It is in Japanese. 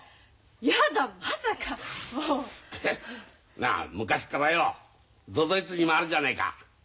なあ昔からよ都々逸にもあるじゃねえか。